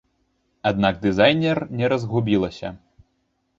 Аднак дызайнер не разгубілася.